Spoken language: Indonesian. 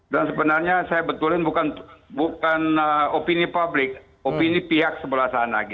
dan sebenarnya saya betulin bukan opini publik opini pihak sebelah sana